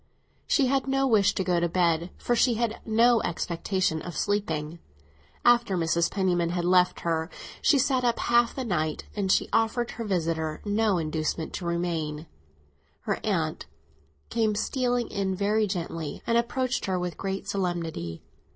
She had no wish to go to bed, for she had no expectation of sleeping. After Mrs. Penniman had left her she sat up half the night, and she offered her visitor no inducement to remain. Her aunt came stealing in very gently, and approached her with great solemnity.